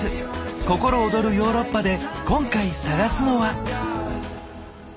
心躍るヨーロッパで今回探すのは。